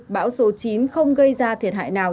bão số chín không gây ra thiệt hại nào